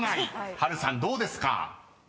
波瑠さんどうですか？］